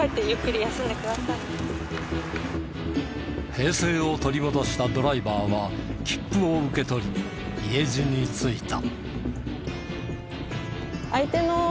平静を取り戻したドライバーは切符を受け取り家路についた。